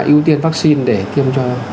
ưu tiên vaccine để tiêm cho